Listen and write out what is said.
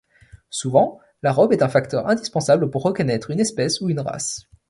Souvent, la robe est un facteur indispensable pour reconnaître une espèce ou une race.